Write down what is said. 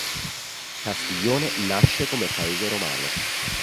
Castiglione nasce come paese romano.